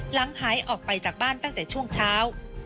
หายออกไปจากบ้านตั้งแต่ช่วงเช้า